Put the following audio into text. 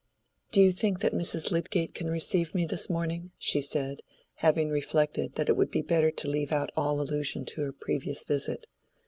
"Do you think that Mrs. Lydgate can receive me this morning?" she said, having reflected that it would be better to leave out all allusion to her previous visit.